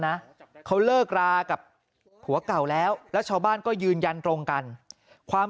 นะเขาเลิกรากับผัวเก่าแล้วแล้วชาวบ้านก็ยืนยันตรงกันความ